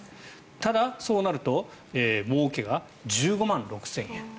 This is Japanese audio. ただそうなるともうけが１５万６０００円。